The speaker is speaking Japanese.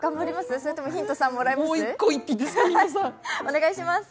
それともヒント３もらいます？